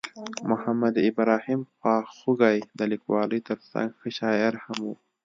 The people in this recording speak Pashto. محمد ابراهیم خواخوږی د لیکوالۍ ترڅنګ ښه شاعر هم ؤ.